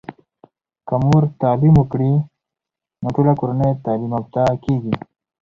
که مور تعليم وکړی نو ټوله کورنۍ تعلیم یافته کیږي.